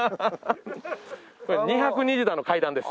２２０段の階段です。